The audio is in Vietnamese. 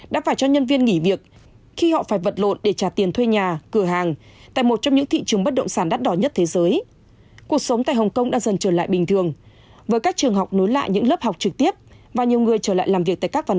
đã phải cho nhân viên nghỉ việc khi họ phải vật lộn để trả tiền thuê nhà cửa hàng tại một trong những thị trường bất động sản đắt đỏ nhất thế giới